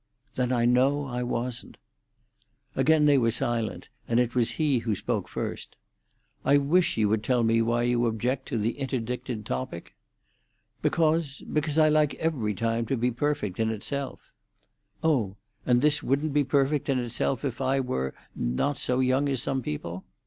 "Then I know I wasn't." Again they were silent, and it was he who spoke first. "I wish you would tell me why you object to the interdicted topic?" "Because—because I like every time to be perfect in itself." "Oh! And this wouldn't be perfect in itself if I were—not so young as some people?"